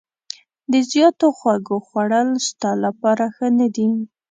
د زیاتو خوږو خوړل ستا لپاره ښه نه دي.